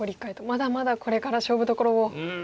まだまだこれから勝負どころを迎えますよね。